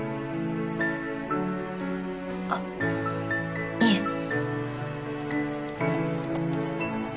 あっいえ。